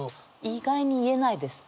意外に言えないです。